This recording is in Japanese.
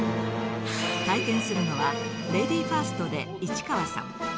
体験するのはレディーファーストで市川さん。